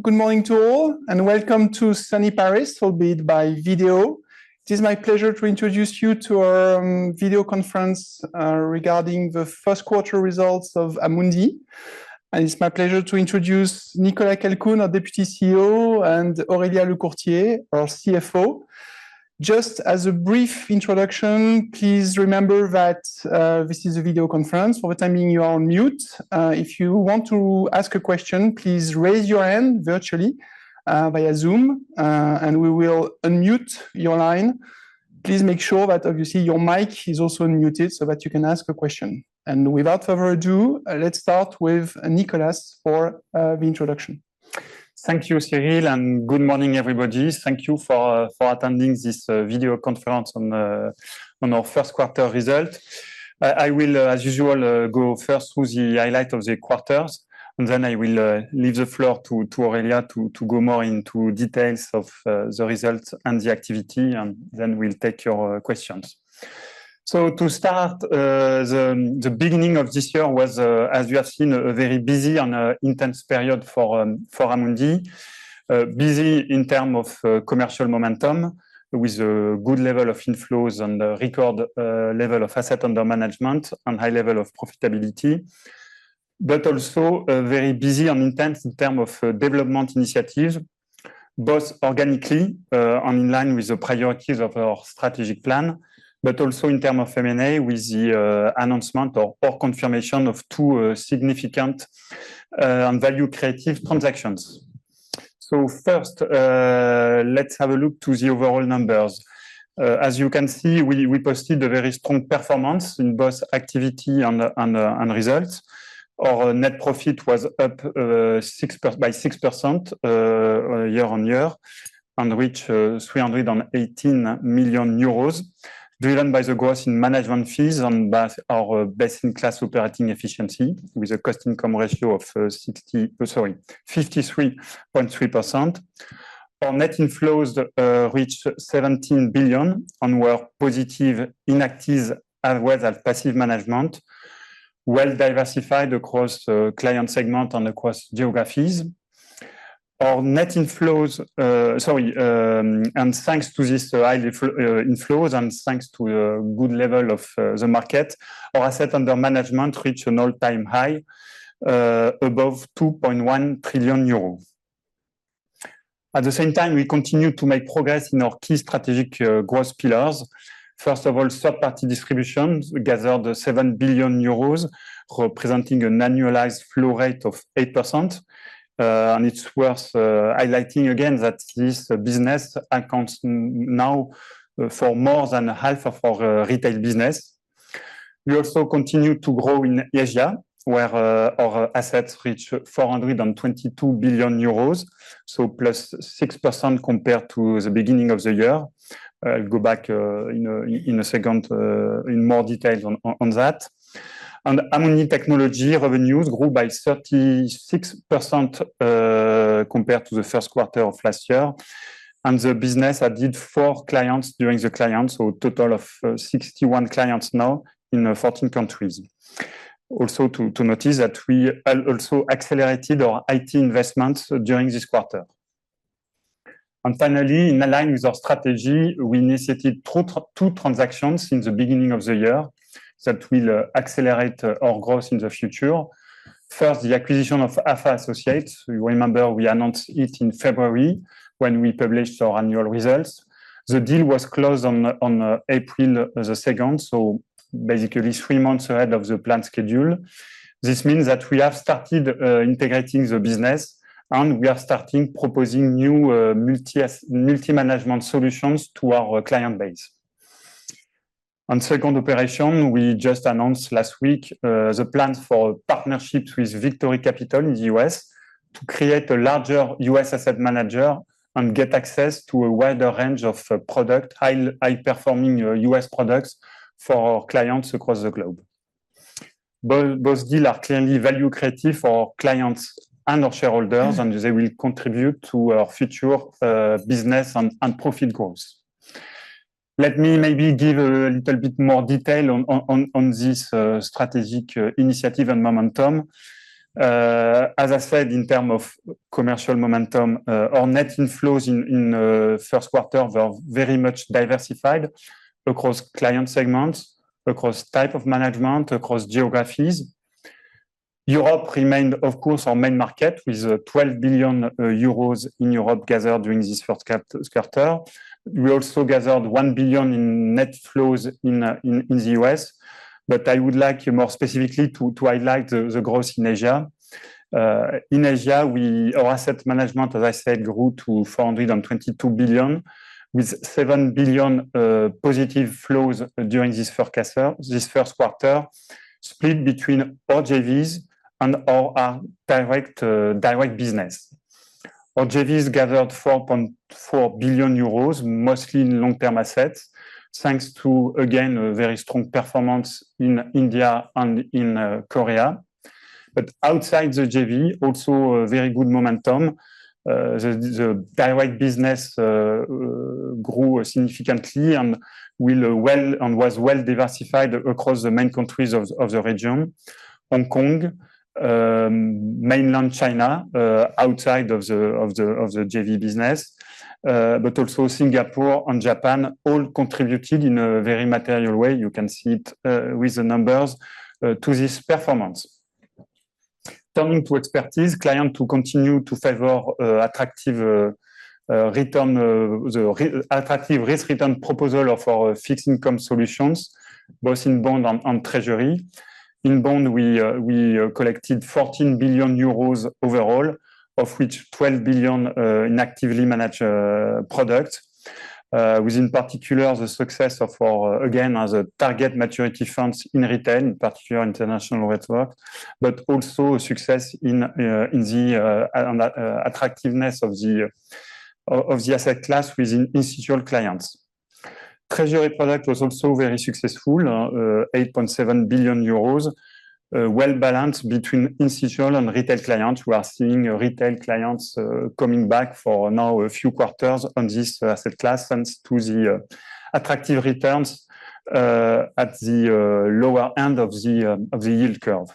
Good morning to all, and welcome to Sunny Paris, albeit by video. It is my pleasure to introduce you to our videoconference regarding the Q1 results of Amundi, and it's my pleasure to introduce Nicolas Calcoen, our Deputy CEO, and Aurelia Lecourtier, our CFO. Just as a brief introduction, please remember that this is a videoconference. For the time being, you are on mute. If you want to ask a question, please raise your hand virtually via Zoom, and we will unmute your line. Please make sure that, obviously, your mic is also unmuted so that you can ask a question. Without further ado, let's start with Nicolas for the introduction. Thank you, Cyril, and good morning, everybody. Thank you for attending this videoconference on our Q1 result. I will, as usual, go first through the highlight of the quarters, and then I will leave the floor to Aurelia to go more into details of the results and the activity, and then we'll take your questions. So to start, the beginning of this year was, as you have seen, a very busy and intense period for Amundi, busy in terms of commercial momentum, with a good level of inflows and a record level of asset under management and high level of profitability, but also very busy and intense in terms of development initiatives, both organically and in line with the priorities of our strategic plan, but also in terms of M&A with the announcement or confirmation of two significant and value-creative transactions. So first, let's have a look at the overall numbers. As you can see, we posted a very strong performance in both activity and results. Our net profit was up by 6% year-on-year, on which we ended on 18 million euros, driven by the growth in management fees and by our best-in-class operating efficiency, with a cost-income ratio of 53.3%. Our net inflows reached 17 billion and were positive in active as well as passive management, well diversified across client segments and across geographies. Our net inflows, sorry, and thanks to these high inflows and thanks to the good level of the market, our asset under management reached an all-time high above 2.1 trillion euros. At the same time, we continue to make progress in our key strategic growth pillars. First of all, third-party distribution gathered 7 billion euros, representing an annualized flow rate of 8%. It's worth highlighting, again, that this business accounts now for more than half of our retail business. We also continue to grow in Asia, where our assets reached 422 billion euros, so 6%+ compared to the beginning of the year. I'll go back in a second in more detail on that. Amundi Technology revenues grew by 36% compared to the Q1 of last year, and the business added four clients during the quarter, so a total of 61 clients now in 14 countries. Also to notice that we also accelerated our IT investments during this quarter. Finally, in line with our strategy, we initiated two transactions in the beginning of the year that will accelerate our growth in the future. First, the acquisition of Alpha Associates. You remember we announced it in February when we published our annual results. The deal was closed on 2 April 2024, so basically three months ahead of the planned schedule. This means that we have started integrating the business, and we are starting proposing new multi-management solutions to our client base. Second operation, we just announced last week the plans for partnerships with Victory Capital in the U.S. to create a larger U.S. asset manager and get access to a wider range of high-performing U.S. products for our clients across the globe. Both deals are clearly value-creative for our clients and our shareholders, and they will contribute to our future business and profit growth. Let me maybe give a little bit more detail on this strategic initiative and momentum. As I said, in terms of commercial momentum, our net inflows in the Q1 were very much diversified across client segments, across types of management, across geographies. Europe remained, of course, our main market, with 12 billion euros in Europe gathered during this Q1. We also gathered 1 billion in net flows in the US, but I would like more specifically to highlight the growth in Asia. In Asia, our asset management, as I said, grew to 422 billion, with 7 billion positive flows during this Q1, split between our JVs and our direct business. Our JVs gathered 4.4 billion euros, mostly in long-term assets, thanks to, again, very strong performance in India and in Korea. But outside the JV, also very good momentum. The direct business grew significantly and was well diversified across the main countries of the region: Hong Kong, mainland China outside of the JV business, but also Singapore and Japan, all contributed in a very material way, you can see it with the numbers, to this performance. Turning to expertise, clients continue to favor the attractive risk-return proposal of our fixed-income solutions, both in bond and treasury. In bond, we collected 14 billion euros overall, of which 12 billion in actively managed products, with in particular the success of our, again, target maturity funds in retail, in particular international network, but also a success in the attractiveness of the asset class within institutional clients. Treasury product was also very successful: 8.7 billion euros, well balanced between institutional and retail clients. We are seeing retail clients coming back for now a few quarters on this asset class thanks to the attractive returns at the lower end of the yield curve.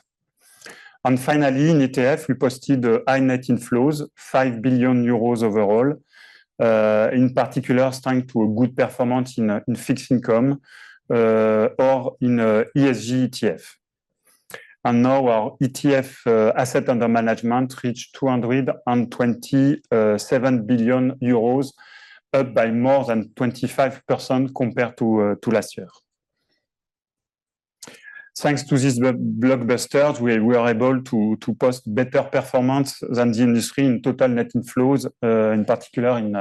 And finally, in ETF, we posted high net inflows: 5 billion euros overall, in particular thanks to a good performance in fixed income or in ESG ETFs. Now our ETF asset under management reached 227 billion euros, up by more than 25% compared to last year. Thanks to these blockbusters, we were able to post better performance than the industry in total net inflows, in particular in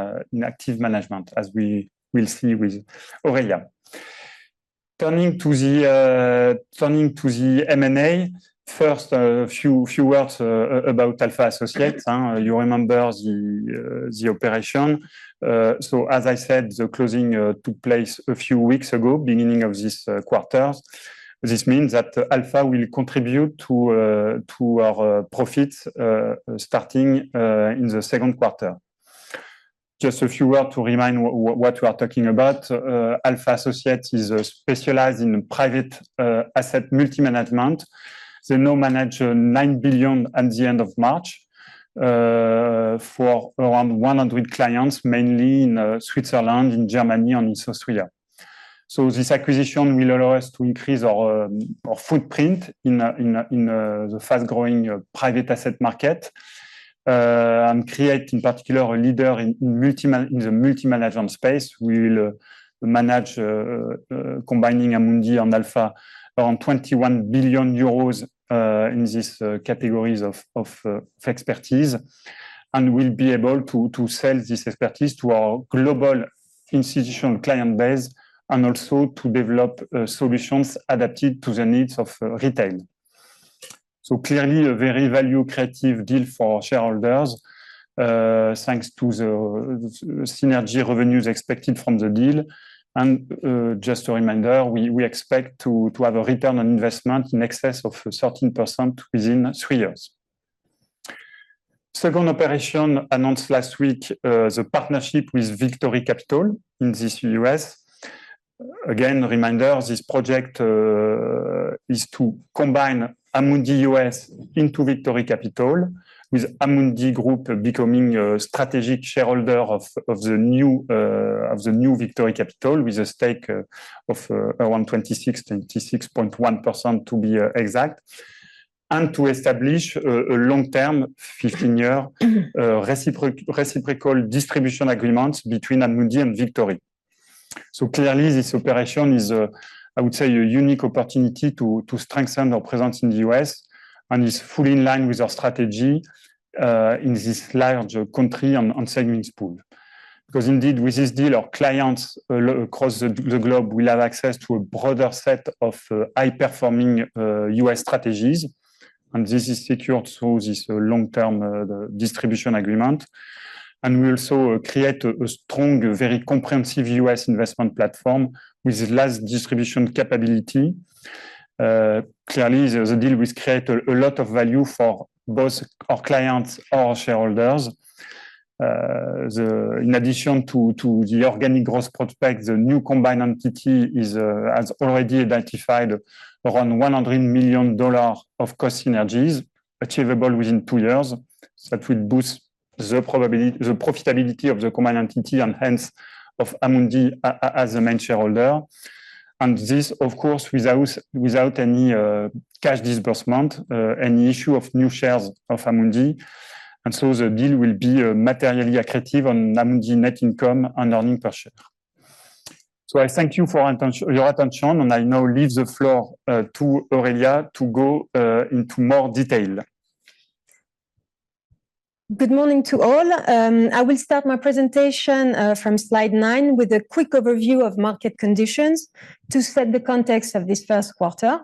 active management, as we will see with Aurelia. Turning to the M&A, first a few words about Alpha Associates. You remember the operation. So, as I said, the closing took place a few weeks ago, beginning of this quarter. This means that Alpha Associates will contribute to our profits starting in the Q2. Just a few words to remind what we are talking about. Alpha Associates is specialized in private asset multi-management. They now manage 9 billion at the end of March for around 100 clients, mainly in Switzerland, in Germany, and in Austria. So this acquisition will allow us to increase our footprint in the fast-growing private asset market and create, in particular, a leader in the multi-management space. We will manage, combining Amundi and Alpha, around 21 billion euros in these categories of expertise, and we'll be able to sell this expertise to our global institutional client base and also to develop solutions adapted to the needs of retail. So clearly, a very value-creative deal for shareholders, thanks to the synergy revenues expected from the deal. And just a reminder, we expect to have a return on investment in excess of 13% within three years. Second operation announced last week: the partnership with Victory Capital in the U.S. Again, reminder, this project is to combine Amundi U.S. into Victory Capital, with Amundi Group becoming a strategic shareholder of the new Victory Capital, with a stake of around 26.1% to be exact, and to establish a long-term, 15-year reciprocal distribution agreement between Amundi and Victory. So clearly, this operation is, I would say, a unique opportunity to strengthen our presence in the U.S., and it's fully in line with our strategy in this large country and segments pool. Because indeed, with this deal, our clients across the globe will have access to a broader set of high-performing U.S. strategies, and this is secured through this long-term distribution agreement. And we also create a strong, very comprehensive U.S. investment platform with last distribution capability. Clearly, the deal will create a lot of value for both our clients and our shareholders. In addition to the organic growth prospects, the new combined entity has already identified around $100 million of cost synergies achievable within two years, that will boost the profitability of the combined entity and hence of Amundi as the main shareholder. This, of course, without any cash disbursement, any issue of new shares of Amundi. The deal will be materially accretive on Amundi net income and earnings per share. I thank you for your attention, and I now leave the floor to Aurelia to go into more detail. Good morning to all. I will start my presentation from slide nine with a quick overview of market conditions to set the context of this Q1.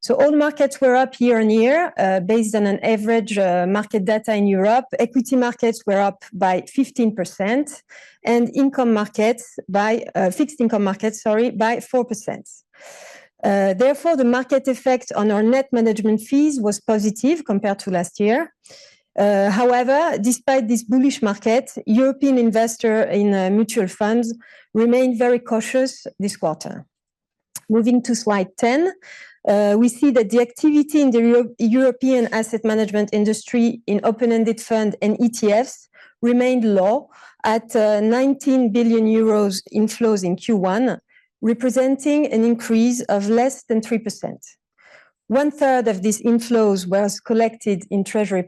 So all markets were up year-on-year, based on average market data in Europe. Equity markets were up by 15%, and fixed income markets, sorry, by 4%. Therefore, the market effect on our net management fees was positive compared to last year. However, despite this bullish market, European investors in mutual funds remained very cautious this quarter. Moving to slide 10, we see that the activity in the European asset management industry in open-ended funds and ETFs remained low at 19 billion euros inflows in Q1, representing an increase of less than 3%. 1/3 of these inflows was collected in treasury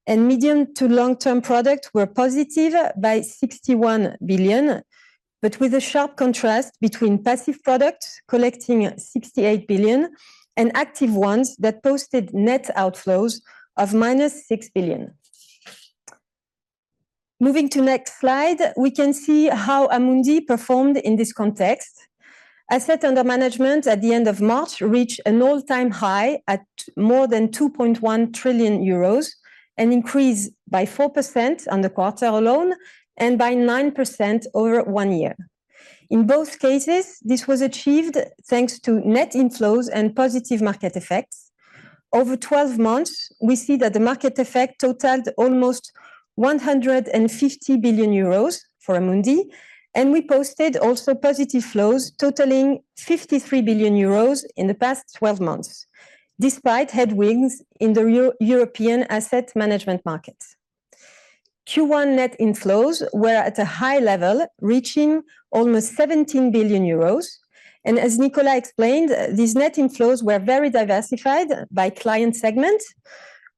products, and medium to long-term products were positive by 61 billion, but with a sharp contrast between passive products collecting 68 billion and active ones that posted net outflows of minus 6 billion. Moving to the next slide, we can see how Amundi performed in this context. Assets under management at the end of March reached an all-time high at more than 2.1 trillion euros, an increase by 4% on the quarter alone and by 9% over one year. In both cases, this was achieved thanks to net inflows and positive market effects. Over 12 months, we see that the market effect totaled almost 150 billion euros for Amundi, and we posted also positive flows totaling 53 billion euros in the past 12 months, despite headwinds in the European asset management markets. Q1 net inflows were at a high level, reaching almost 17 billion euros. As Nicolas explained, these net inflows were very diversified by client segments,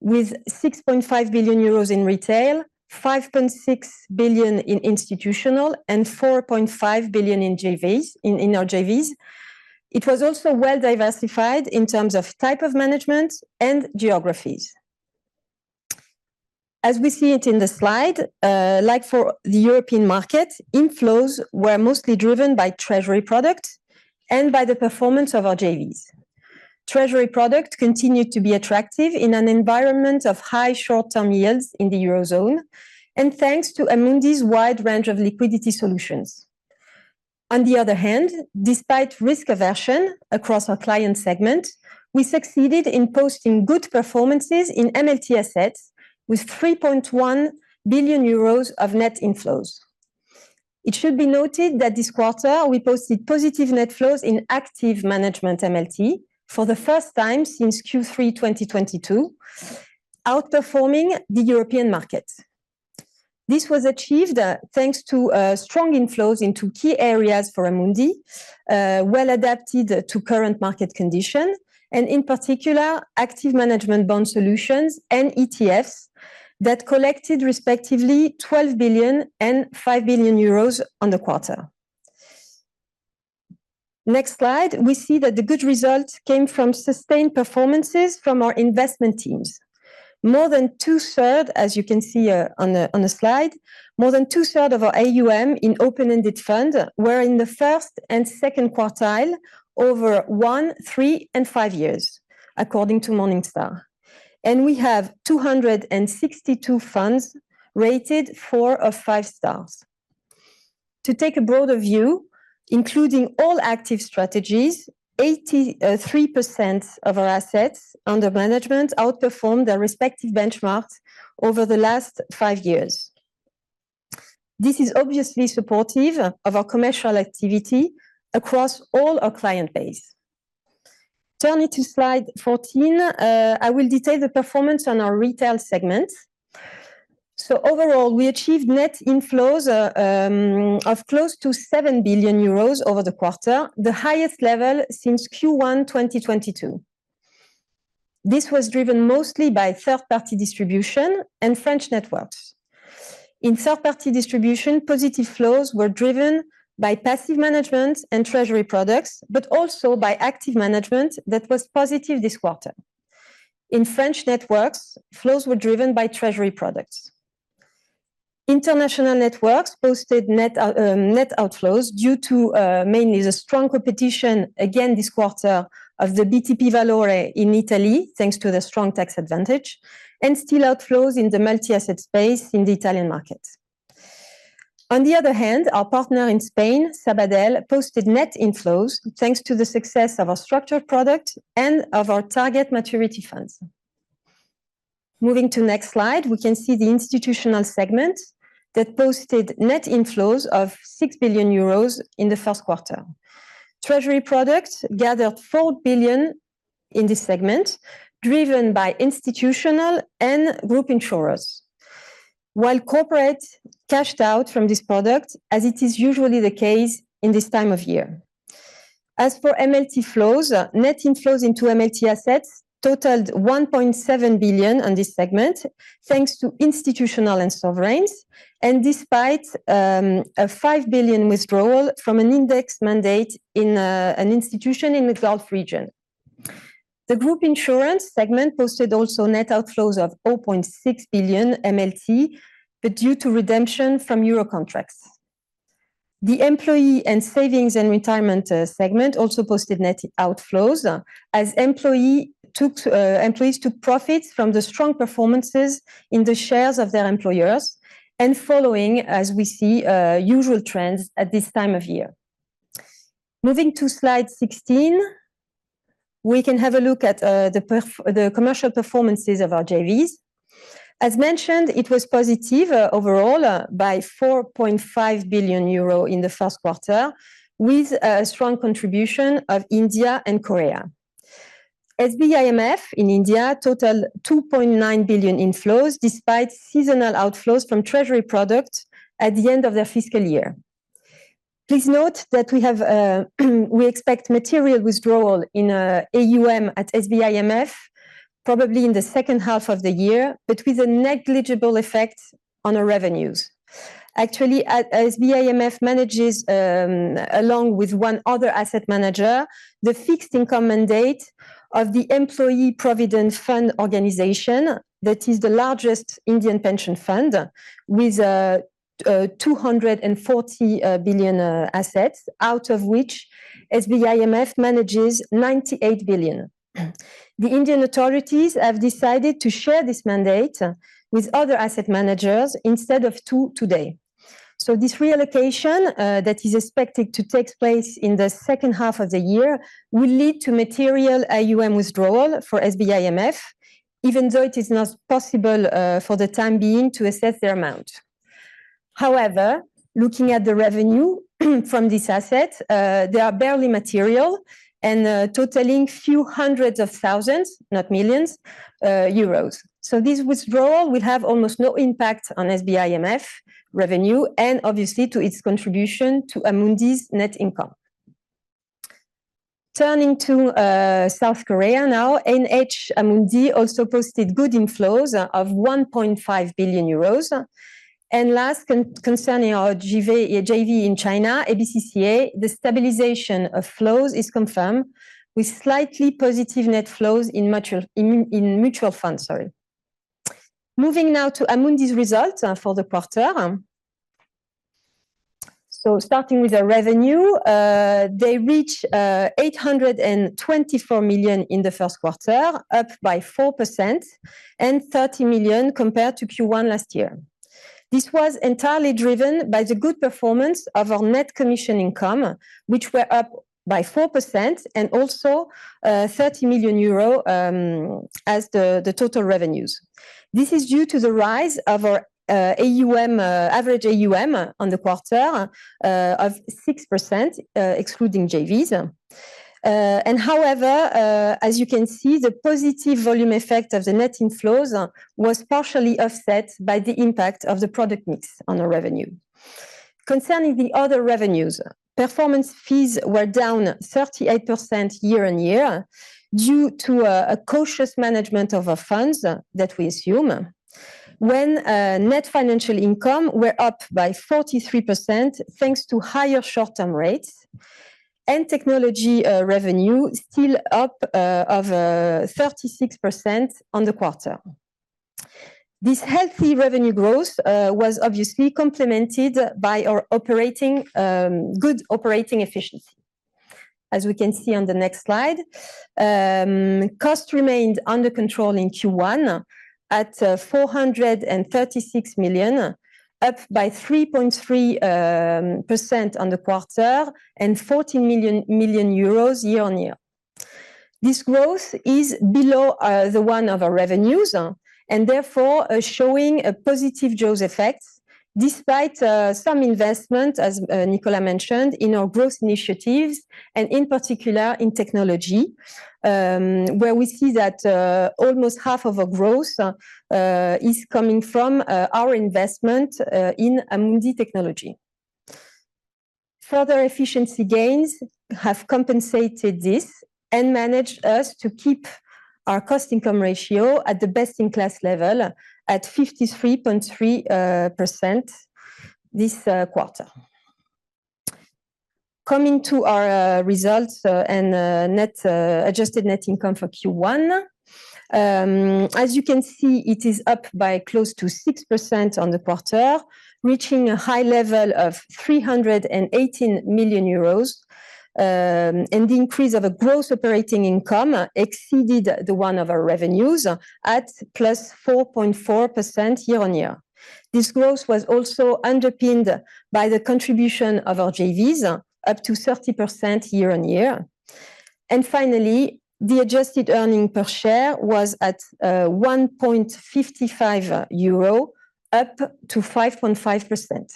with 6.5 billion euros in retail, 5.6 billion in institutional, and 4.5 billion in our JVs. It was also well diversified in terms of type of management and geographies. As we see it in the slide, like for the European market, inflows were mostly driven by treasury products and by the performance of our JVs. Treasury products continued to be attractive in an environment of high short-term yields in the eurozone, and thanks to Amundi's wide range of liquidity solutions. On the other hand, despite risk aversion across our client segment, we succeeded in posting good performances in MLT assets with 3.1 billion euros of net inflows. It should be noted that this quarter we posted positive net flows in active management MLT for the first time since Q3 2022, outperforming the European market. This was achieved thanks to strong inflows into key areas for Amundi, well adapted to current market conditions, and in particular, active management bond solutions and ETFs that collected respectively 12 billion and 5 billion euros on the quarter. Next slide, we see that the good result came from sustained performances from our investment teams. More than two-thirds, as you can see on the slide, more than two-thirds of our AUM in open-ended funds were in the first and second quartile over one, three, and five years, according to Morningstar. We have 262 funds rated four of five stars. To take a broader view, including all active strategies, 83% of our assets under management outperformed their respective benchmarks over the last five years. This is obviously supportive of our commercial activity across all our client base. Turning to slide 14, I will detail the performance on our retail segments. So overall, we achieved net inflows of close to 7 billion euros over the quarter, the highest level since Q1 2022. This was driven mostly by third-party distribution and French networks. In third-party distribution, positive flows were driven by passive management and treasury products, but also by active management that was positive this quarter. In French networks, flows were driven by treasury products. International networks posted net outflows due to mainly the strong competition, again this quarter, of the BTP Valore in Italy, thanks to the strong tax advantage, and still outflows in the multi-asset space in the Italian market. On the other hand, our partner in Spain, Sabadell, posted net inflows thanks to the success of our structured product and of our target maturity funds. Moving to the next slide, we can see the institutional segment that posted net inflows of 6 billion euros in the Q1. Treasury products gathered 4 billion in this segment, driven by institutional and group insurers, while corporates cashed out from this product, as it is usually the case in this time of year. As for MLT flows, net inflows into MLT assets totaled 1.7 billion on this segment, thanks to institutional and sovereigns, and despite a 5 billion withdrawal from an index mandate in an institution in the Gulf region. The group insurance segment posted also net outflows of 0.6 billion MLT, but due to redemption from Euro contracts. The employee and savings and retirement segment also posted net outflows, as employees took profits from the strong performances in the shares of their employers, and following, as we see, usual trends at this time of year. Moving to slide 16, we can have a look at the commercial performances of our JVs. As mentioned, it was positive overall by 4.5 billion euro in the Q1, with a strong contribution of India and Korea. SBIMF in India totaled 2.9 billion inflows, despite seasonal outflows from treasury products at the end of their fiscal year. Please note that we expect material withdrawal in AUM at SBIMF, probably in the H2 of the year, but with a negligible effect on our revenues. Actually, SBIMF manages, along with one other asset manager, the fixed income mandate of the Employee Provident Fund Organization, that is the largest Indian pension fund, with 240 billion assets, out of which SBIMF manages 98 billion. The Indian authorities have decided to share this mandate with other asset managers instead of two today. So this reallocation that is expected to take place in the H2 of the year will lead to material AUM withdrawal for SBIMF, even though it is not possible for the time being to assess their amount. However, looking at the revenue from this asset, they are barely material and totaling few hundreds of thousands, not millions, EUR. So this withdrawal will have almost no impact on SBIMF revenue and, obviously, to its contribution to Amundi's net income. Turning to South Korea now, NH Amundi also posted good inflows of 1.5 billion euros. And last, concerning our JV in China, ABC-CA, the stabilization of flows is confirmed, with slightly positive net flows in mutual funds. Moving now to Amundi's results for the quarter. So starting with our revenue, they reached 824 million in the Q1, up by 4%, and 30 million compared to Q1 last year. This was entirely driven by the good performance of our net commission income, which were up by 4% and also 30 million euro as the total revenues. This is due to the rise of our average AUM on the quarter of 6%, excluding JVs. However, as you can see, the positive volume effect of the net inflows was partially offset by the impact of the product mix on our revenue. Concerning the other revenues, performance fees were down 38% year-over-year due to a cautious management of our funds, that we assume, when net financial income were up by 43% thanks to higher short-term rates, and technology revenue still up of 36% on the quarter. This healthy revenue growth was obviously complemented by good operating efficiency, as we can see on the next slide. Costs remained under control in Q1 at 436 million, up by 3.3% on the quarter and 14 million year-on-year. This growth is below the one of our revenues, and therefore showing a positive jaws effect, despite some investment, as Nicolas mentioned, in our growth initiatives, and in particular in technology, where we see that almost half of our growth is coming from our investment in Amundi Technology. Further efficiency gains have compensated this and managed us to keep our cost-income ratio at the best-in-class level at 53.3% this quarter. Coming to our results and adjusted net income for Q1, as you can see, it is up by close to 6% on the quarter, reaching a high level of 318 million euros, and the increase of our gross operating income exceeded the one of our revenues at 4.4%+ year-on-year. This growth was also underpinned by the contribution of our JVs, up 30% year-on-year. Finally, the adjusted earnings per share was at 1.55 euro, up 5.5%.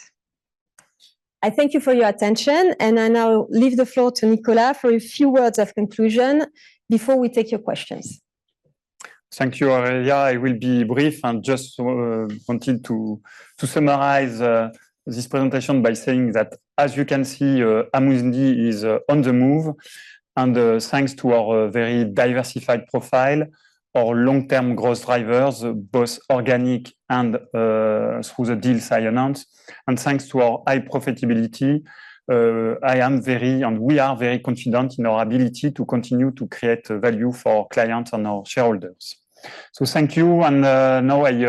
I thank you for your attention, and I now leave the floor to Nicolas for a few words of conclusion before we take your questions. Thank you, Aurelia. I will be brief and just wanted to summarize this presentation by saying that, as you can see, Amundi is on the move. Thanks to our very diversified profile, our long-term growth drivers, both organic and through the deals I announced, and thanks to our high profitability, I am very and we are very confident in our ability to continue to create value for our clients and our shareholders. Thank you, and now we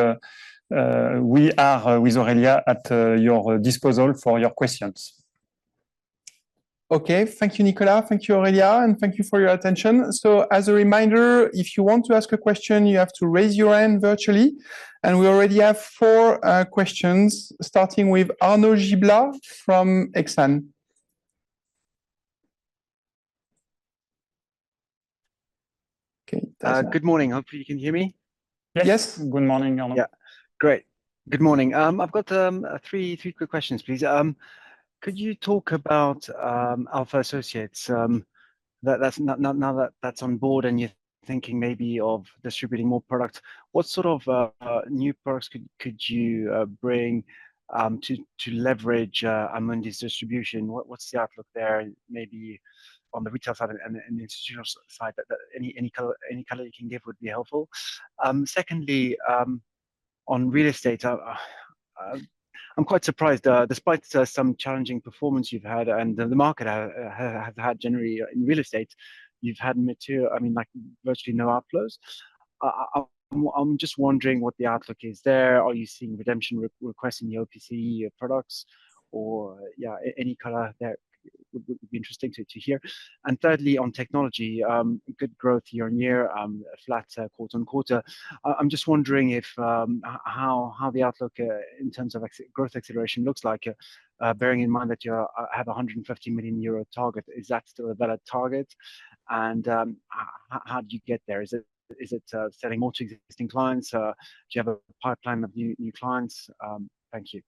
are with Aurelia at your disposal for your questions. Okay. Thank you, Nicolas. Thank you, Aurelia, and thank you for your attention. So as a reminder, if you want to ask a question, you have to raise your hand virtually. And we already have four questions, starting with Arnaud Giblat from Exane. Okay. Good morning. Hopefully, you can hear me. Yes. Yes. Good morning, Arnaud. Yeah. Great. Good morning. I've got three quick questions, please. Could you talk about Alpha Associates? Now that that's on board and you're thinking maybe of distributing more products, what sort of new products could you bring to leverage Amundi's distribution? What's the outlook there? Maybe on the retail side and the institutional side, any color you can give would be helpful. Secondly, on real estate, I'm quite surprised. Despite some challenging performance you've had and the market has had generally in real estate, you've had virtually no outflows. I'm just wondering what the outlook is there. Are you seeing redemption requests in the OPCI products? Or yeah, any color there would be interesting to hear. And thirdly, on technology, good growth year-on-year, flat quarter-on-quarter. I'm just wondering how the outlook in terms of growth acceleration looks like, bearing in mind that you have a 150 million euro target. Is that still a valid target? And how did you get there? Is it selling more to existing clients? Do you have a pipeline of new clients? Thank you.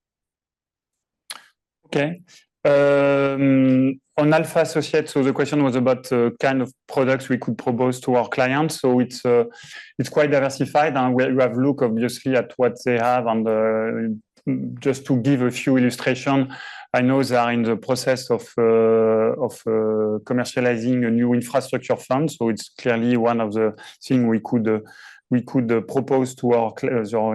Okay. On Alpha Associates, so the question was about kind of products we could propose to our clients. So it's quite diversified. You have a look, obviously, at what they have. And just to give a few illustrations, I know they are in the process of commercializing a new infrastructure fund. So it's clearly one of the things we could propose to our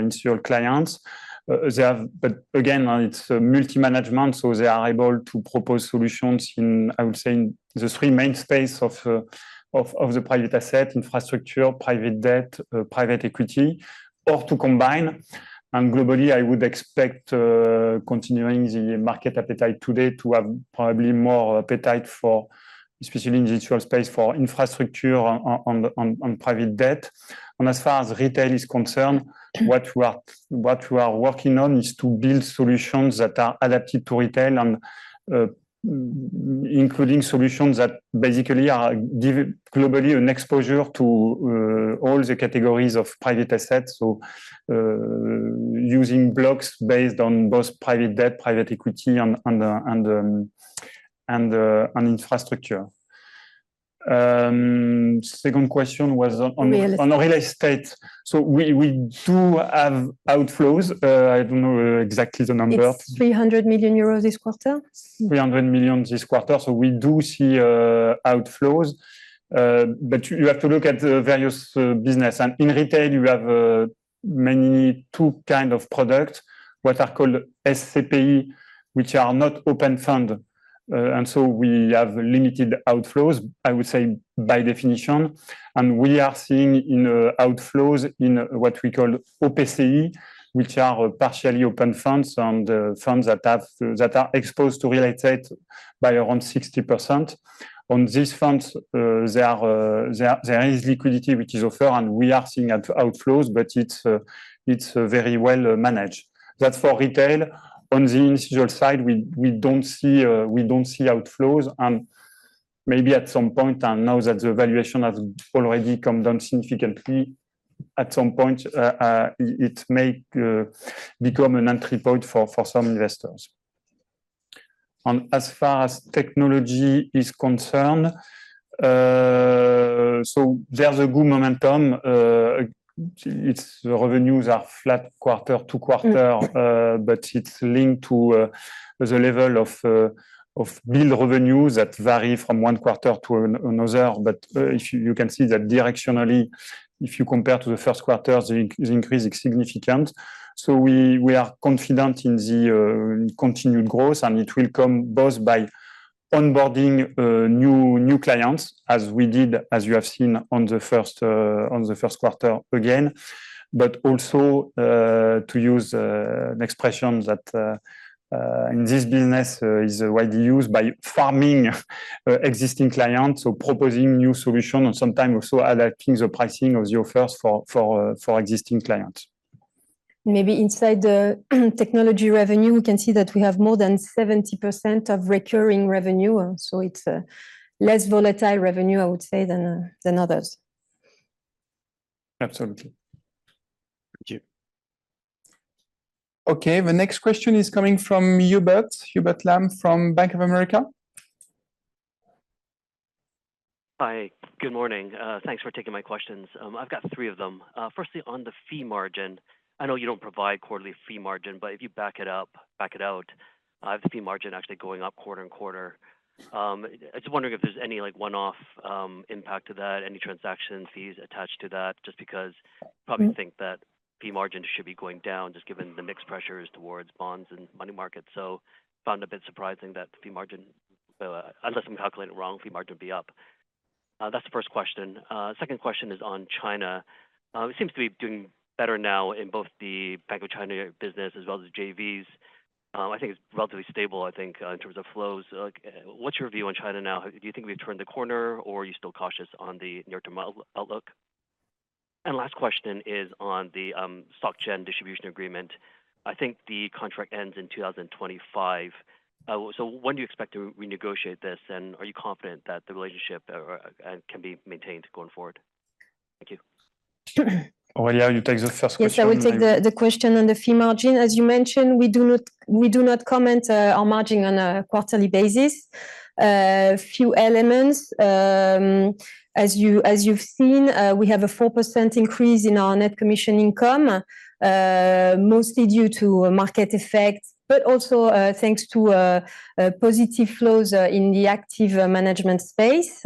institutional clients. But again, it's multi-management, so they are able to propose solutions in, I would say, the three main spaces of the private asset: infrastructure, private debt, private equity, or to combine. Globally, I would expect, continuing the market appetite today, to have probably more appetite, especially in the institutional space, for infrastructure and private debt. As far as retail is concerned, what we are working on is to build solutions that are adapted to retail, including solutions that basically are globally an exposure to all the categories of private assets, so using blocks based on both private debt, private equity, and infrastructure. Second question was on real estate. We do have outflows. I don't know exactly the number. It's 300 million euros this quarter? 300 million this quarter. So we do see outflows. But you have to look at various businesses. And in retail, you have mainly two kinds of products, what are called SCPI, which are not open fund. And so we have limited outflows, I would say, by definition. And we are seeing outflows in what we call OPCI, which are partially open funds and funds that are exposed to real estate by around 60%. On these funds, there is liquidity which is offered, and we are seeing outflows, but it's very well managed. That's for retail. On the institutional side, we don't see outflows. And maybe at some point, now that the valuation has already come down significantly, at some point, it may become an entry point for some investors. And as far as technology is concerned, so there's a good momentum. Its revenues are flat quarter-to-quarter, but it's linked to the level of build revenues that vary from one quarter to another. You can see that directionally, if you compare to the Q1, the increase is significant. We are confident in continued growth, and it will come both by onboarding new clients, as we did, as you have seen, on the Q1 again, but also, to use an expression that in this business is widely used, by farming existing clients, so proposing new solutions and sometimes also adapting the pricing of the offers for existing clients. Maybe inside the technology revenue, we can see that we have more than 70% of recurring revenue. So it's less volatile revenue, I would say, than others. Absolutely. Thank you. Okay. The next question is coming from Hubert Lam from Bank of America. Hi. Good morning. Thanks for taking my questions. I've got three of them. Firstly, on the fee margin, I know you don't provide quarterly fee margin, but if you back it out, I have the fee margin actually going up quarter and quarter. I was just wondering if there's any one-off impact to that, any transaction fees attached to that, just because I probably think that fee margins should be going down, just given the mixed pressures towards bonds and money markets. So I found it a bit surprising that the fee margin, unless I'm calculating it wrong, fee margin would be up. That's the first question. The second question is on China. It seems to be doing better now in both the Bank of China business as well as the JVs. I think it's relatively stable, I think, in terms of flows. What's your view on China now? Do you think we've turned the corner, or are you still cautious on the near-term outlook? And last question is on the SocGen distribution agreement. I think the contract ends in 2025. So when do you expect to renegotiate this, and are you confident that the relationship can be maintained going forward? Thank you. Aurelia, you take the first question. Yes. I will take the question on the fee margin. As you mentioned, we do not comment our margin on a quarterly basis. A few elements. As you've seen, we have a 4% increase in our net commission income, mostly due to market effects, but also thanks to positive flows in the active management space.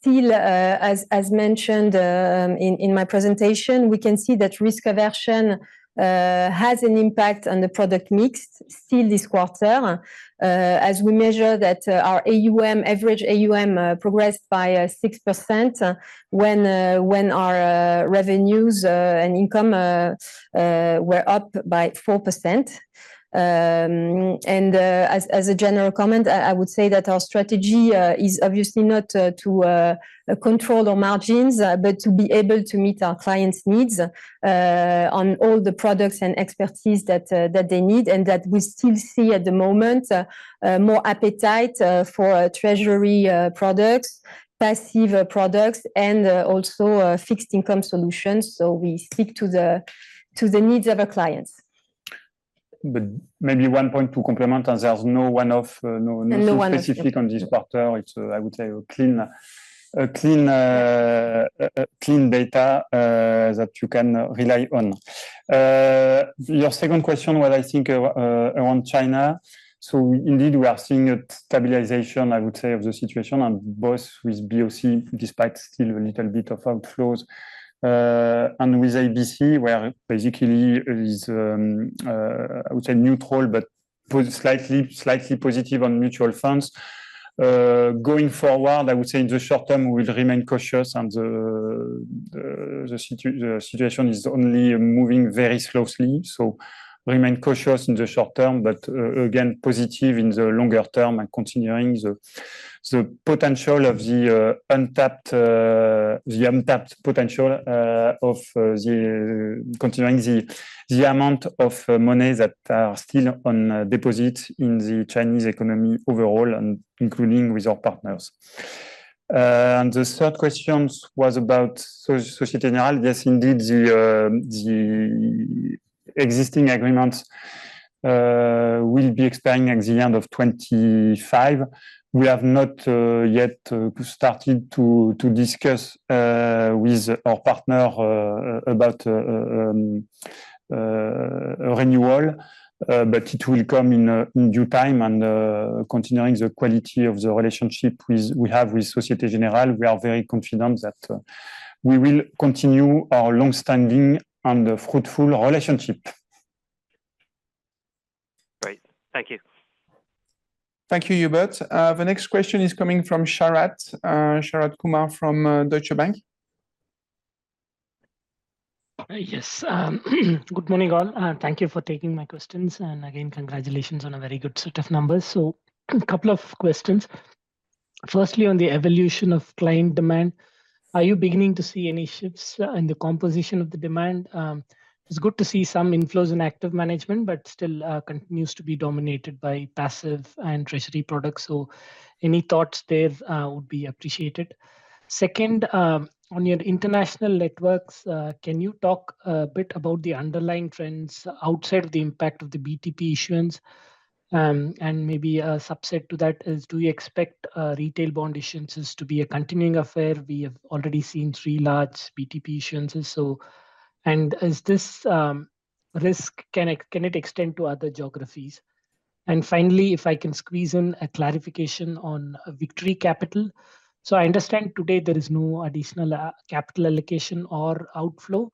Still, as mentioned in my presentation, we can see that risk aversion has an impact on the product mix still this quarter, as we measure that our average AUM progressed by 6% when our revenues and income were up by 4%. As a general comment, I would say that our strategy is obviously not to control our margins, but to be able to meet our clients' needs on all the products and expertise that they need, and that we still see at the moment more appetite for treasury products, passive products, and also fixed-income solutions. We stick to the needs of our clients. But maybe one point to complement, and there's no one-off, no specific on this quarter. It's, I would say, clean data that you can rely on. Your second question was, I think, around China. So indeed, we are seeing a stabilization, I would say, of the situation, and both with BOC, despite still a little bit of outflows, and with ABC, where basically it's, I would say, neutral but slightly positive on mutual funds. Going forward, I would say in the short term, we will remain cautious, and the situation is only moving very slowly. So remain cautious in the short term, but again, positive in the longer term and continuing the potential of the untapped potential of continuing the amount of money that are still on deposit in the Chinese economy overall, including with our partners. And the third question was about Société Générale. Yes, indeed, the existing agreement will be expiring at the end of 2025. We have not yet started to discuss with our partners about renewal, but it will come in due time. And continuing the quality of the relationship we have with Société Générale, we are very confident that we will continue our longstanding and fruitful relationship. Great. Thank you. Thank you, Hubert. The next question is coming from Sharath Kumar from Deutsche Bank. Yes. Good morning, all. Thank you for taking my questions. And again, congratulations on a very good set of numbers. So a couple of questions. Firstly, on the evolution of client demand, are you beginning to see any shifts in the composition of the demand? It's good to see some inflows in active management, but still continues to be dominated by passive and treasury products. So any thoughts there would be appreciated. Second, on your international networks, can you talk a bit about the underlying trends outside of the impact of the BTP issuance? And maybe a subset to that is, do you expect retail bond issuance to be a continuing affair? We have already seen three large BTP issuances. And can it extend to other geographies? And finally, if I can squeeze in a clarification on Victory Capital. I understand today there is no additional capital allocation or outflow.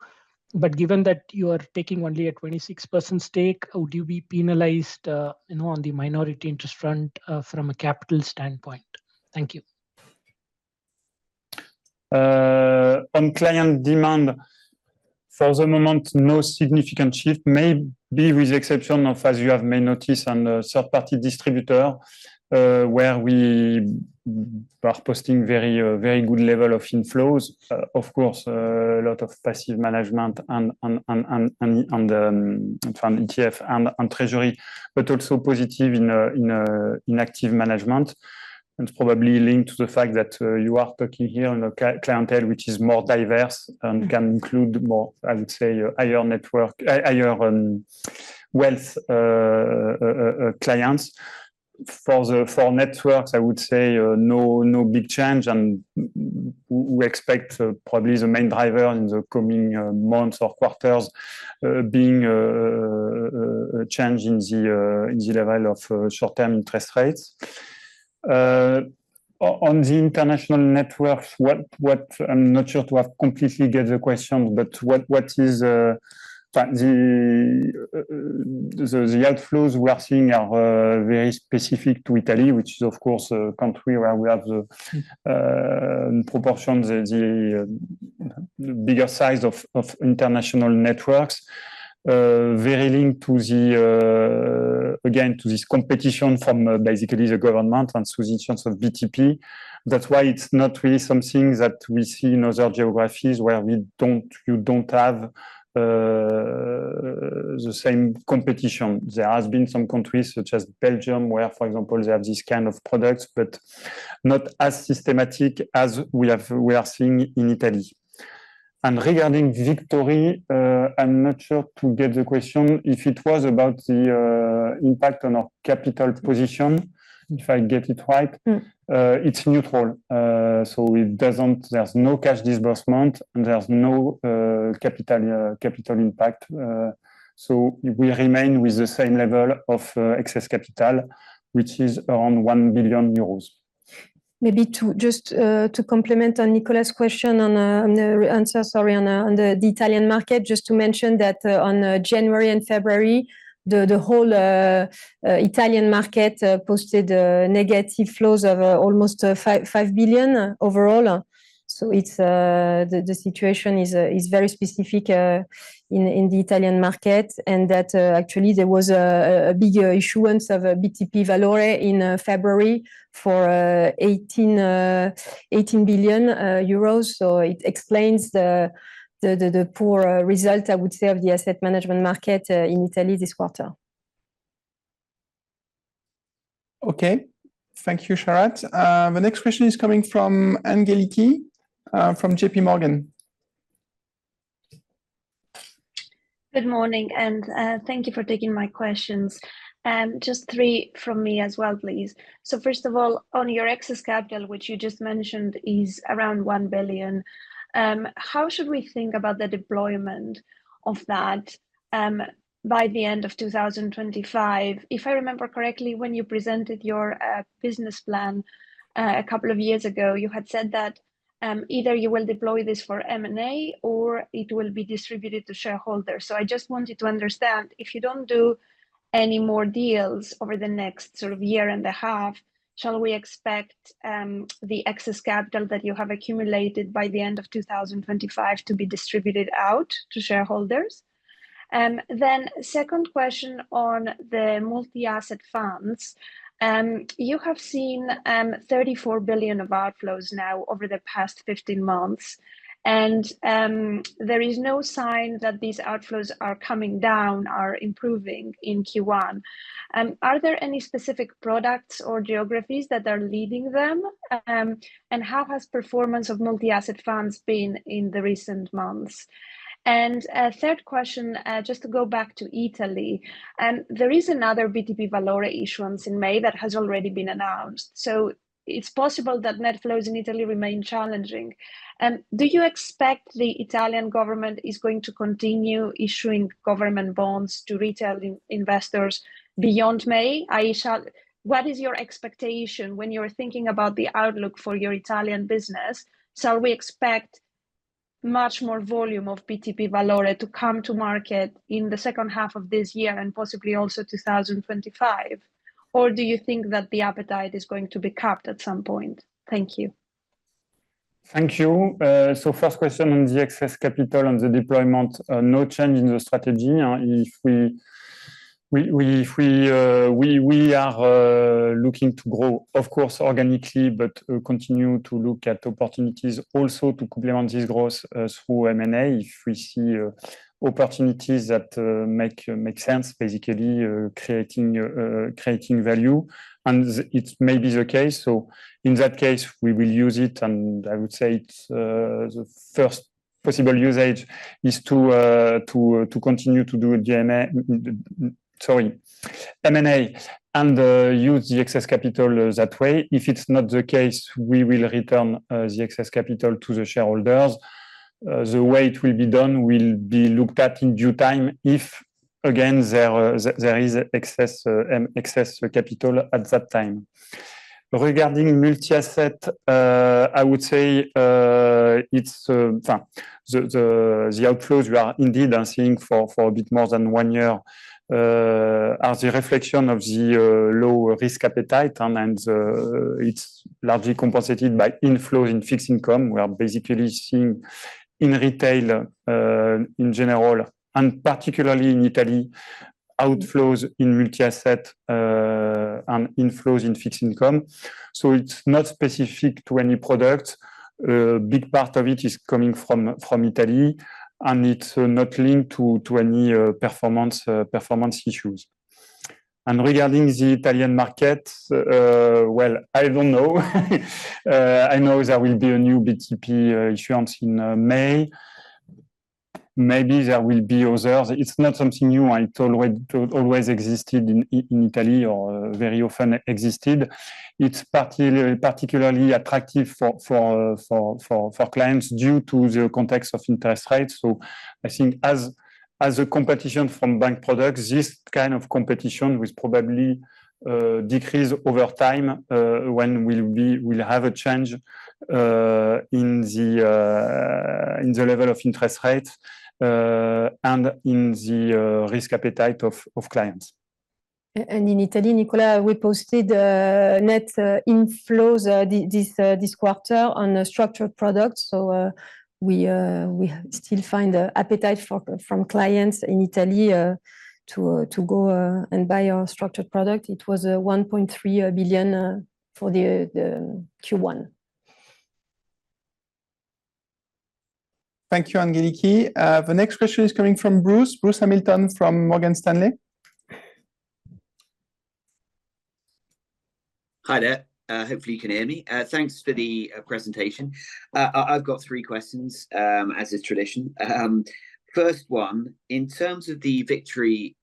Given that you are taking only a 26% stake, would you be penalized on the minority interest rate from a capital standpoint? Thank you. On client demand, for the moment, no significant shift. Maybe with the exception of, as you may have noticed, on third-party distributors, where we are posting very good level of inflows. Of course, a lot of passive management and ETF and treasury, but also positive in active management. And it's probably linked to the fact that you are talking here in a clientele which is more diverse and can include more, I would say, higher wealth clients. For networks, I would say no big change. And we expect probably the main driver in the coming months or quarters being a change in the level of short-term interest rates. On the international networks, I'm not sure to have completely get the question, but the outflows we are seeing are very specific to Italy, which is, of course, a country where we have the proportions, the bigger size of international networks, very linked again to this competition from basically the government and subsidies of BTP. That's why it's not really something that we see in other geographies where you don't have the same competition. There have been some countries such as Belgium, where, for example, they have these kinds of products, but not as systematic as we are seeing in Italy. Regarding Victory, I'm not sure to get the question. If it was about the impact on our capital position, if I get it right, it's neutral. So there's no cash disbursement, and there's no capital impact. So we remain with the same level of excess capital, which is around 1 billion euros. Maybe just to comment on Nicolas' question and the Italian market, just to mention that on January and February, the whole Italian market posted negative flows of almost 5 billion overall. So the situation is very specific in the Italian market, and that actually there was a bigger issuance of BTP Valore in February for 18 billion euros. So it explains the poor result, I would say, of the asset management market in Italy this quarter. Okay. Thank you, Sharath. The next question is coming from Angeliki from JPMorgan. Good morning. Thank you for taking my questions. Just three from me as well, please. First of all, on your excess capital, which you just mentioned is around 1 billion, how should we think about the deployment of that by the end of 2025? If I remember correctly, when you presented your business plan a couple of years ago, you had said that either you will deploy this for M&A or it will be distributed to shareholders. I just wanted to understand, if you don't do any more deals over the next sort of year and a half, shall we expect the excess capital that you have accumulated by the end of 2025 to be distributed out to shareholders? Second question on the multi-asset funds. You have seen 34 billion of outflows now over the past 15 months. There is no sign that these outflows are coming down, are improving in Q1. Are there any specific products or geographies that are leading them? And how has performance of multi-asset funds been in the recent months? And third question, just to go back to Italy. There is another BTP Valore issuance in May that has already been announced. So it's possible that net flows in Italy remain challenging. Do you expect the Italian government is going to continue issuing government bonds to retail investors beyond May? What is your expectation when you're thinking about the outlook for your Italian business? Shall we expect much more volume of BTP Valore to come to market in the H2 of this year and possibly also 2025? Or do you think that the appetite is going to be capped at some point? Thank you. Thank you. First question on the excess capital and the deployment, no change in the strategy. We are looking to grow, of course, organically, but continue to look at opportunities also to complement this growth through M&A if we see opportunities that make sense, basically creating value. It may be the case. In that case, we will use it. I would say the first possible usage is to continue to do M&A and use the excess capital that way. If it's not the case, we will return the excess capital to the shareholders. The way it will be done will be looked at in due time if, again, there is excess capital at that time. Regarding multi-asset, I would say the outflows we are indeed seeing for a bit more than one year are the reflection of the low risk appetite, and it's largely compensated by inflows in fixed income. We are basically seeing in retail, in general, and particularly in Italy, outflows in multi-asset and inflows in fixed income. So it's not specific to any product. A big part of it is coming from Italy, and it's not linked to any performance issues. Regarding the Italian market, well, I don't know. I know there will be a new BTP issuance in May. Maybe there will be others. It's not something new. It always existed in Italy or very often existed. It's particularly attractive for clients due to the context of interest rates. I think, as competition from bank products, this kind of competition will probably decrease over time when we'll have a change in the level of interest rate and in the risk appetite of clients. In Italy, Nicolas, we posted net inflows this quarter on structured products. We still find appetite from clients in Italy to go and buy our structured product. It was 1.3 billion for Q1. Thank you, Angeliki. The next question is coming from Bruce Hamilton from Morgan Stanley. Hi there. Hopefully, you can hear me. Thanks for the presentation. I've got three questions, as is tradition. First one, in terms of the Victory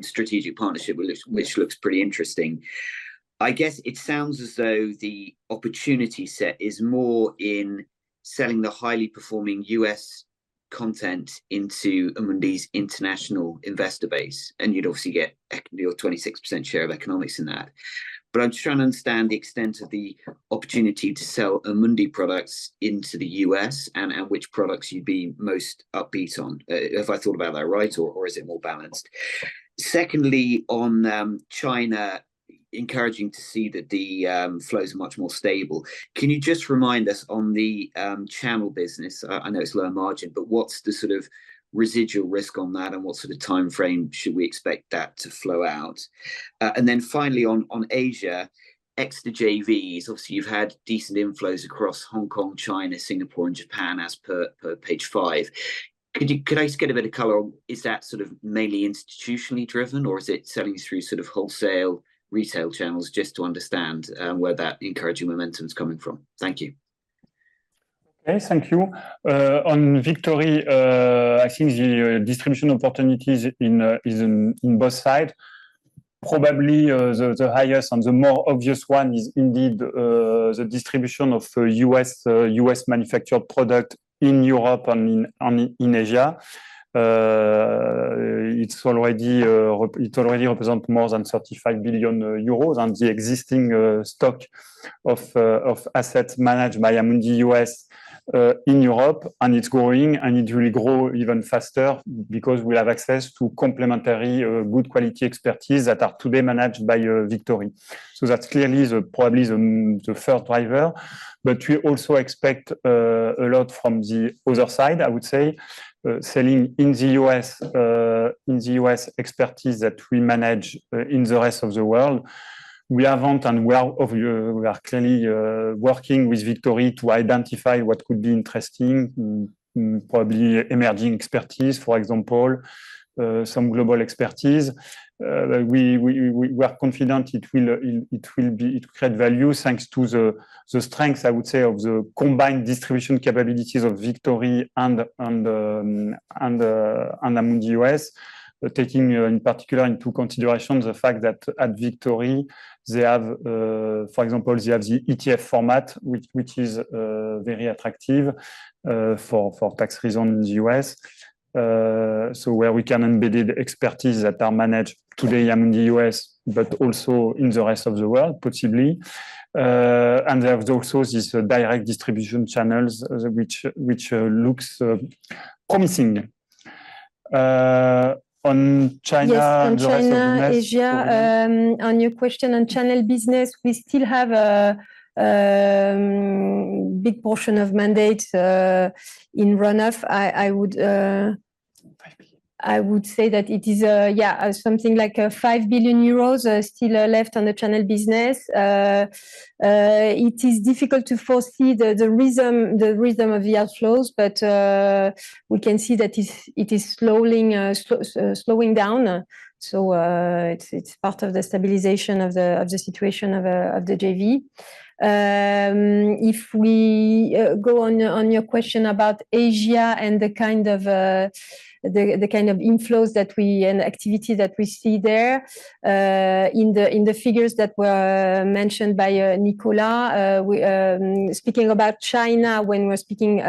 strategic partnership, which looks pretty interesting, I guess it sounds as though the opportunity set is more in selling the highly performing U.S. content into Amundi's international investor base. And you'd obviously get your 26% share of economics in that. But I'm just trying to understand the extent of the opportunity to sell Amundi products into the U.S. and which products you'd be most upbeat on, if I thought about that right, or is it more balanced? Secondly, on China, encouraging to see that the flows are much more stable. Can you just remind us on the channel business? I know it's low margin, but what's the sort of residual risk on that, and what sort of timeframe should we expect that to flow out? And then finally, on Asia, extra JVs. Obviously, you've had decent inflows across Hong Kong, China, Singapore, and Japan, as per page five. Could I just get a bit of color on is that sort of mainly institutionally driven, or is it selling through sort of wholesale retail channels, just to understand where that encouraging momentum is coming from? Thank you. Okay. Thank you. On Victory, I think the distribution opportunities is on both sides. Probably the highest and the more obvious one is indeed the distribution of US-manufactured product in Europe and in Asia. It already represents more than 35 billion and the existing stock of assets managed by Amundi US in Europe. And it's growing, and it will grow even faster because we'll have access to complementary good-quality expertise that are today managed by Victory. So that's clearly probably the first driver. But we also expect a lot from the other side, I would say, selling in the US expertise that we manage in the rest of the world. We are clearly working with Victory to identify what could be interesting, probably emerging expertise, for example, some global expertise. We are confident it will create value thanks to the strengths, I would say, of the combined distribution capabilities of Victory and Amundi US, taking in particular into consideration the fact that at Victory, for example, they have the ETF format, which is very attractive for tax reasons in the US, so where we can embedded expertise that are managed today in Amundi US but also in the rest of the world, possibly. And there's also these direct distribution channels, which looks promising. On China, the rest of the US? Yes. On China, Asia, on your question on channel business, we still have a big portion of mandate in runoff. I would say that it is, yeah, something like 5 billion euros still left on the channel business. It is difficult to foresee the rhythm of the outflows, but we can see that it is slowing down. So it's part of the stabilization of the situation of the JV. If we go on your question about Asia and the kind of inflows and activity that we see there in the figures that were mentioned by Nicolas, speaking about China, when we're speaking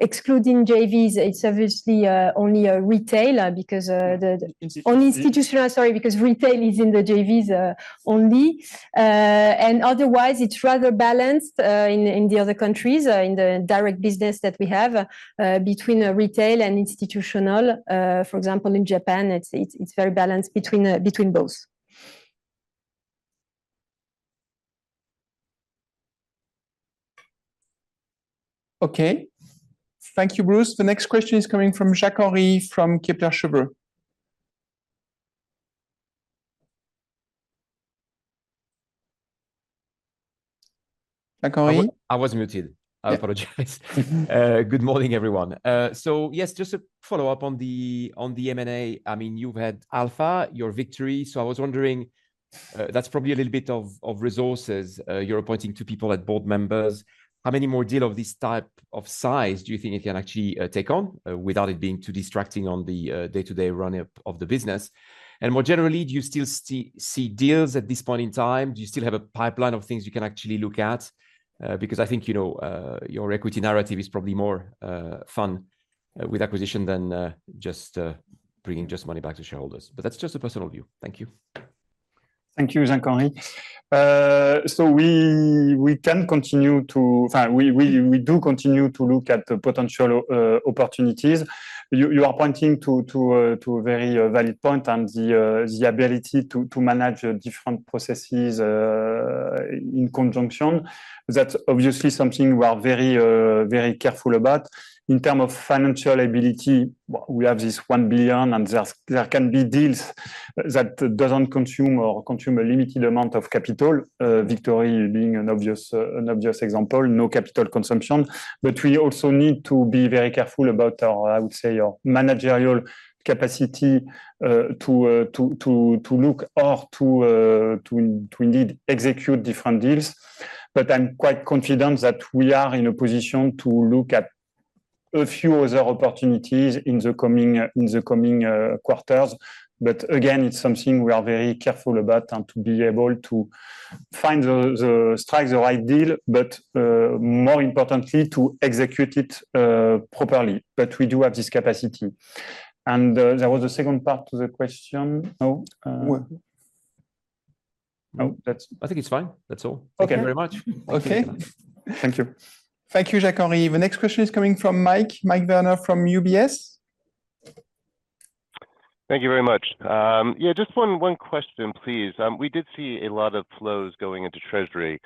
excluding JVs, it's obviously only retail because on institutional sorry, because retail is in the JVs only. And otherwise, it's rather balanced in the other countries, in the direct business that we have between retail and institutional. For example, in Japan, it's very balanced between both. Okay. Thank you, Bruce. The next question is coming from Jacques-Henri Gaulard from Kepler Cheuvreux. Jacques-Henri? I was muted. I apologize. Good morning, everyone. So yes, just a follow-up on the M&A. I mean, you've had Alpha, your Victory. So I was wondering, that's probably a little bit of resources. You're appointing two people as board members. How many more deals of this type of size do you think it can actually take on without it being too distracting on the day-to-day run-up of the business? And more generally, do you still see deals at this point in time? Do you still have a pipeline of things you can actually look at? Because I think your equity narrative is probably more fun with acquisition than just bringing just money back to shareholders. But that's just a personal view. Thank you. Thank you, Jacques-Henri. So we can continue to in fact, we do continue to look at potential opportunities. You are pointing to a very valid point and the ability to manage different processes in conjunction. That's obviously something we are very careful about. In terms of financial ability, we have this 1 billion, and there can be deals that doesn't consume or consume a limited amount of capital, Victory being an obvious example, no capital consumption. But we also need to be very careful about, I would say, our managerial capacity to look or to indeed execute different deals. But I'm quite confident that we are in a position to look at a few other opportunities in the coming quarters. But again, it's something we are very careful about and to be able to strike the right deal, but more importantly, to execute it properly. But we do have this capacity. There was a second part to the question. No? No. That's? I think it's fine. That's all. Thank you very much. Okay. Thank you. Thank you, Jacques-Henri. The next question is coming from Michael Werner from UBS. Thank you very much. Yeah, just one question, please. We did see a lot of flows going into Treasury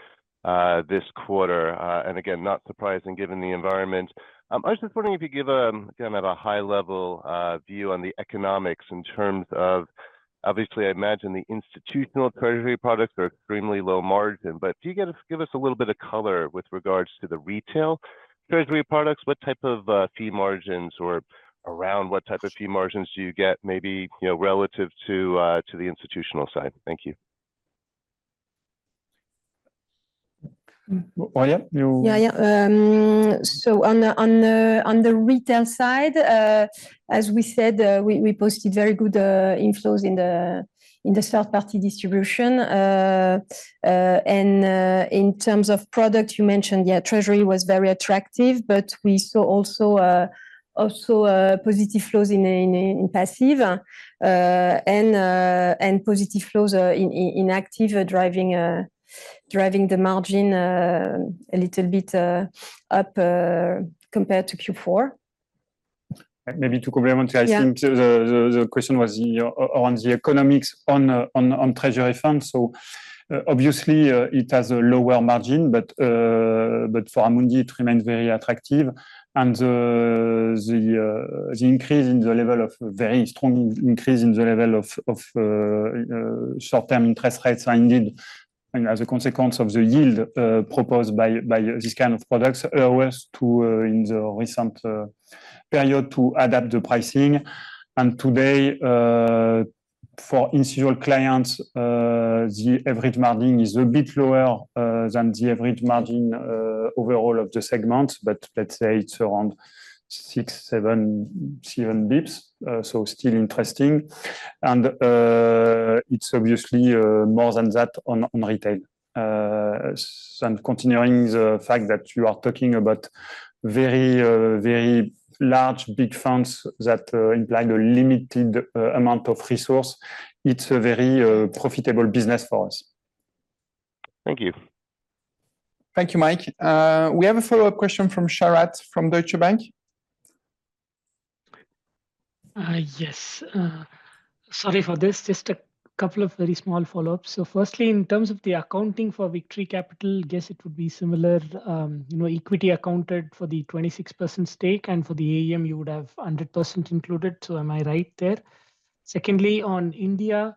this quarter. And again, not surprising given the environment. I was just wondering if you could kind of have a high-level view on the economics in terms of obviously, I imagine the institutional Treasury products are extremely low margin. But do you get to give us a little bit of color with regards to the retail Treasury products? What type of fee margins or around what type of fee margins do you get, maybe relative to the institutional side? Thank you. Yeah. Yeah. On the retail side, as we said, we posted very good inflows in the third-party distribution. In terms of product, you mentioned, yeah, Treasury was very attractive, but we saw also positive flows in passive and positive flows in active driving the margin a little bit up compared to Q4. Maybe to complement, I think the question was around the economics on Treasury funds. So obviously, it has a lower margin, but for Amundi, it remains very attractive. And the very strong increase in the level of short-term interest rates are indeed, as a consequence of the yield proposed by this kind of products, allowed in the recent period to adapt the pricing. And today, for individual clients, the average margin is a bit lower than the average margin overall of the segment, but let's say it's around 6-7 basis points. So still interesting. And it's obviously more than that on retail. And continuing the fact that you are talking about very, very large, big funds that imply the limited amount of resource, it's a very profitable business for us. Thank you. Thank you, Mike. We have a follow-up question from Sharath from Deutsche Bank. Yes. Sorry for this. Just a couple of very small follow-ups. So firstly, in terms of the accounting for Victory Capital, I guess it would be similar. Equity accounted for the 26% stake, and for the AUM, you would have 100% included. So am I right there? Secondly, on India,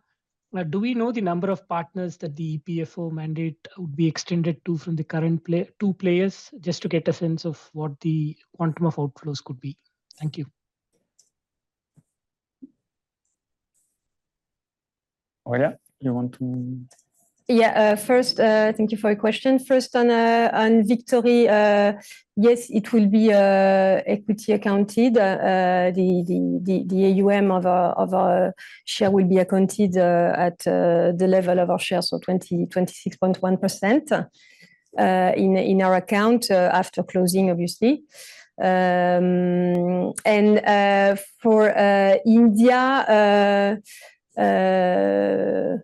do we know the number of partners that the EPFO mandate would be extended to from the two players, just to get a sense of what the quantum of outflows could be? Thank you. Aurelia, you want to? Yeah. First, thank you for your question. First, on Victory, yes, it will be equity accounted. The AUM of our share will be accounted at the level of our shares, so 26.1% in our account after closing, obviously. And for India. But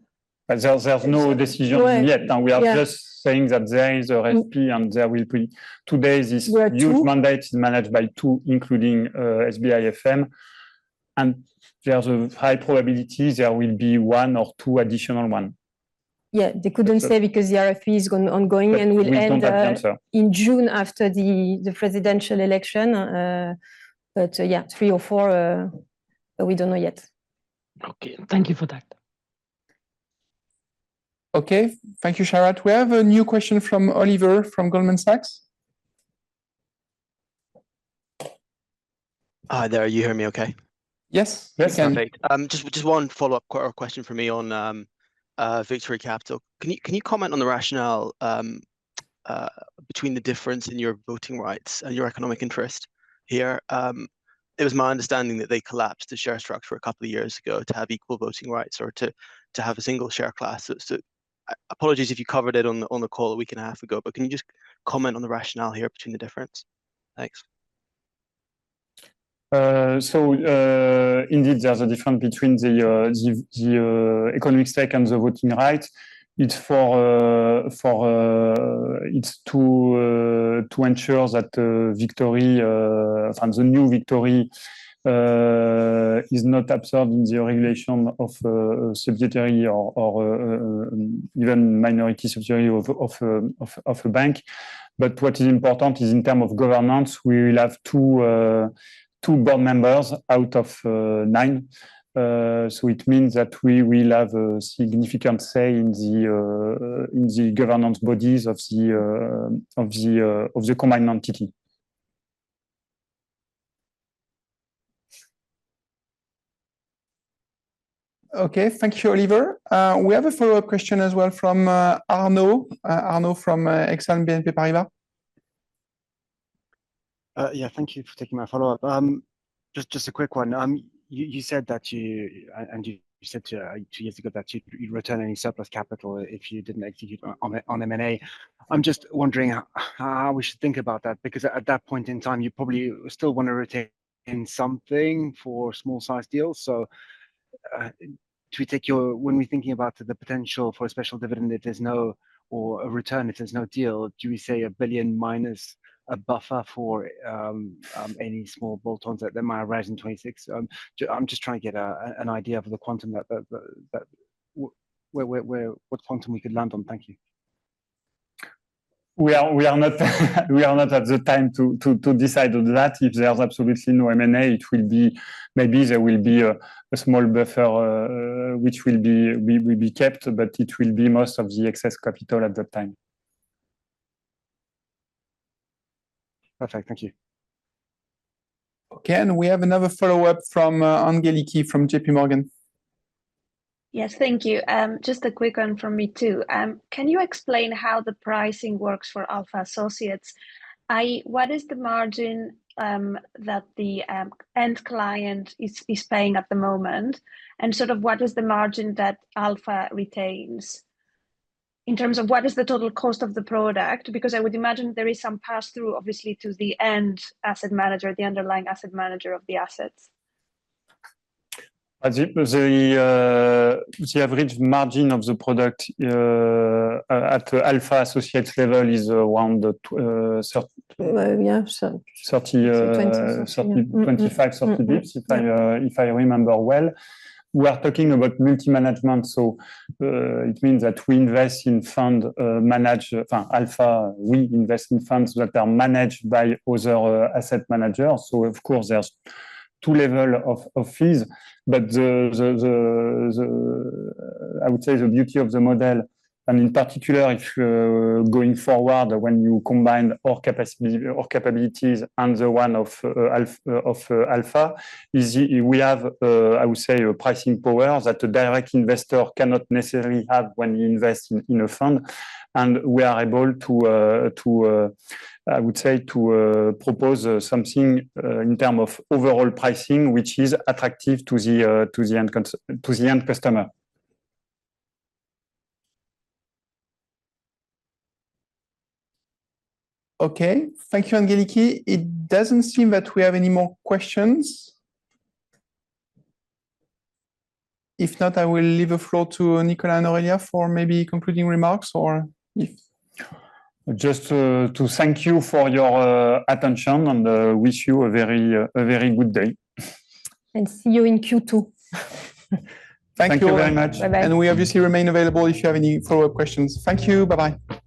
there's no decision yet. We are just saying that there is RFP, and there will be today, this huge mandate is managed by two, including SBI FM. And there's a high probability there will be one or two additional ones. Yeah. They couldn't say because the RFP is ongoing and will end in June after the presidential election. But yeah, three or four, we don't know yet. Okay. Thank you for that. Okay. Thank you, Sharath. We have a new question from Oliver from Goldman Sachs. Hi there. You hear me okay? Yes. Yes I can. Just one follow-up question from me on Victory Capital. Can you comment on the rationale between the difference in your voting rights and your economic interest here? It was my understanding that they collapsed the share structure a couple of years ago to have equal voting rights or to have a single share class. So apologies if you covered it on the call a week and a half ago, but can you just comment on the rationale here between the difference? Thanks. So indeed, there's a difference between the economic stake and the voting rights. It's to ensure that Victory, in fact, the new Victory, is not absorbed in the regulation of a subsidiary or even minority subsidiary of a bank. But what is important is in terms of governance, we will have two board members out of nine. So it means that we will have a significant say in the governance bodies of the combined entity. Okay. Thank you, Oliver. We have a follow-up question as well from Arnaud from Exane BNP Paribas. Yeah. Thank you for taking my follow-up. Just a quick one. You said two years ago that you'd return any surplus capital if you didn't execute on M&A. I'm just wondering how we should think about that because at that point in time, you probably still want to retain something for small-sized deals. So when we're thinking about the potential for a special dividend, if there's no deal, do we say 1 billion minus a buffer for any small bolt-ons that might arise in 2026? I'm just trying to get an idea of the quantum we could land on. Thank you. We are not at the time to decide on that. If there's absolutely no M&A, it will be maybe there will be a small buffer, which will be kept, but it will be most of the excess capital at that time. Perfect. Thank you. Okay. And we have another follow-up from Angeliki from JPMorgan. Yes. Thank you. Just a quick one from me too. Can you explain how the pricing works for Alpha Associates? What is the margin that the end client is paying at the moment? And sort of what is the margin that Alpha retains in terms of what is the total cost of the product? Because I would imagine there is some pass-through, obviously, to the end asset manager, the underlying asset manager of the assets. As it was, the average margin of the product at Alpha Associates level is around 30, 25, 30 basis points, if I remember well. We are talking about multi-management. So it means that we invest in fund managed in fact, Alpha, we invest in funds that are managed by other asset managers. So of course, there's two levels of fees. But I would say the beauty of the model, and in particular, going forward, when you combine our capabilities and the one of Alpha, we have, I would say, a pricing power that a direct investor cannot necessarily have when he invests in a fund. And we are able to, I would say, propose something in terms of overall pricing, which is attractive to the end customer. Okay. Thank you, Angeliki. It doesn't seem that we have any more questions. If not, I will leave the floor to Nicolas and Aurelia for maybe concluding remarks or if. Just to thank you for your attention and wish you a very good day. See you in Q2. Thank you. Thank you very much. Bye-bye. We obviously remain available if you have any follow-up questions. Thank you. Bye-bye.